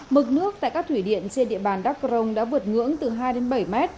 mực nước tại các thủy điện trên địa bàn đắk crong đã vượt ngưỡng từ hai bảy m